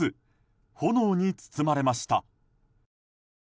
炎に包まれました。